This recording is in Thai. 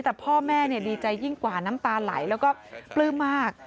แต่พ่อแม่ดีใจยิ่งกว่าน้ำตาไหลแล้วก็ปลื้มมาก